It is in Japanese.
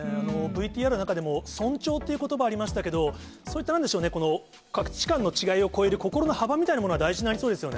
ＶＴＲの中でも、尊重ということばありましたけど、そういった、なんでしょうね、価値観の違いを超える心の幅みたいなものが大事になりそうですよ